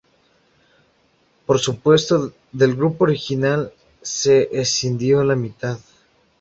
Por supuesto, del grupo original se escindió la mitad.